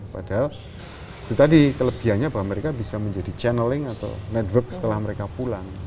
padahal itu tadi kelebihannya bahwa mereka bisa menjadi channeling atau network setelah mereka pulang